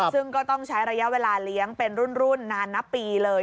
ซึ่งก็ต้องใช้ระยะเวลาเลี้ยงเป็นรุ่นนานนับปีเลย